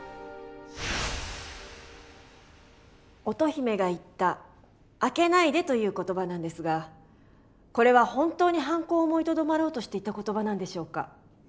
乙姫が言った「開けないで」という言葉なんですがこれは本当に犯行を思いとどまろうとして言った言葉なんでしょうか？